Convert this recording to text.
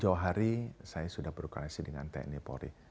jauh jauh hari saya sudah berkolaborasi dengan tni polri